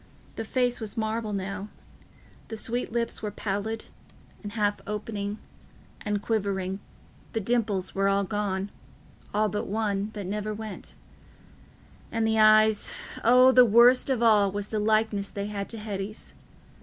The face was marble now; the sweet lips were pallid and half open and quivering; the dimples were all gone—all but one, that never went; and the eyes—O, the worst of all was the likeness they had to Hetty's.